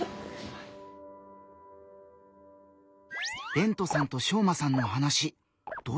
れんとさんとしょうまさんの話どうだった？